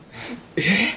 えっ！？